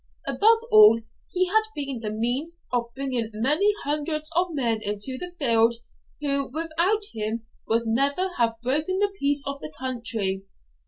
Above all, he had been the means of bringing many hundreds of men into the field who, without him, would never have broken the peace of the country.